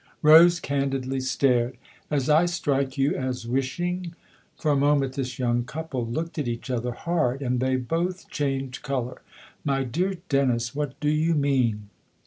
Rose candidly stared. " As I strike you as wish ing ?" For a moment this young couple looked at each other hard, and they both changed colour. " My dear Dennis, what do you mean